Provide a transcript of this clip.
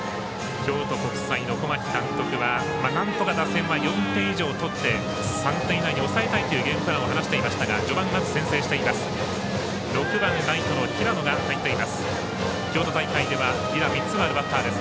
京都国際の小牧監督はなんとか打線は４点以上取って３点以内に抑えたいというゲームプランを話していましたが序盤、まず先制しています。